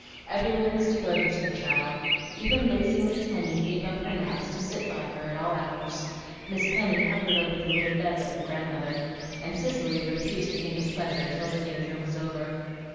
Every one was devoted to the child, even lazy Miss Henny gave up her naps to sit by her at all hours, Miss Penny hovered over the little bed like a grandmother, and Cicely refused to think of pleasure till the danger was over.